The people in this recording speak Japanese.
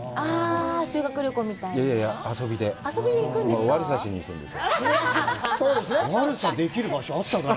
修学旅行みたいな？